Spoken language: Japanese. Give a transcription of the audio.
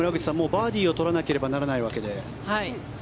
バーディーを取らなければならないわけで。